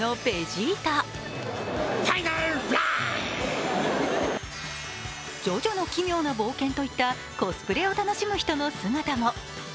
「ジョジョの奇妙な冒険」といったコスプレを楽しむ人の姿も。